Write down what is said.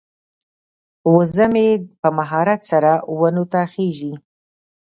وزه مې په مهارت سره ونو ته خیژي.